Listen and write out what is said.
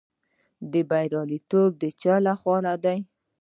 بریالیتوب د چا لخوا دی؟